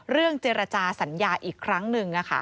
เรื่องเจรจาสัญญาอีกครั้งหนึ่ง